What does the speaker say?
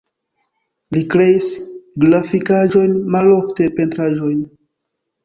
Li kreis grafikaĵojn, malofte pentraĵojn.